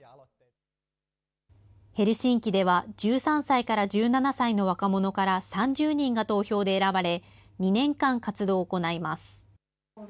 ヘルシンキでは１３歳から１７歳の若者から３０人が投票で選ばれ、２年間活動を行います。